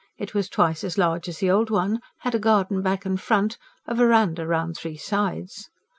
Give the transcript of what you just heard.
It was twice as large as the old one, had a garden back and front, a verandah round three sides.